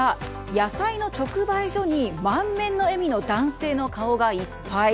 野菜の直売所に満面の笑みの男性の顔がいっぱい。